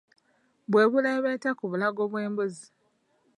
Bwe buleebeeta ku bulago bw'embuzi.